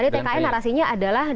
kalau tadi tki narasinya adalah